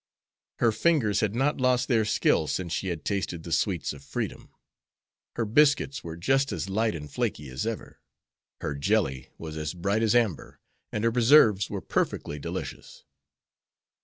Her fingers had not lost their skill since she had tasted the sweets of freedom. Her biscuits were just as light and flaky as ever. Her jelly was as bright as amber, and her preserves were perfectly delicious.